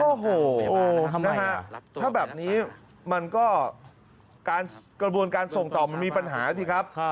โอ้โหถ้าแบบนี้กระบวนการส่งต่อมันมีปัญหาสิครับ